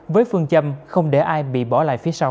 với phương châm không để ai bị bỏ lại phía sau